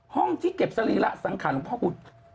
ห้องที่เก็บศรีระสังขารของหลวงพ่อคูณ